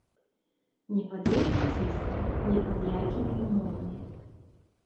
Ні пад якім ціскам, ні пад якімі ўмовамі.